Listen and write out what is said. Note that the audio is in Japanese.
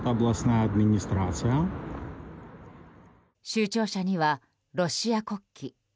州庁舎にはロシア国旗。